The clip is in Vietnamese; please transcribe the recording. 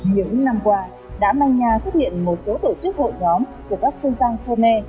nhiều năm qua đã mang nha xuất hiện một số tổ chức hội nhóm của các sư tăng khô nê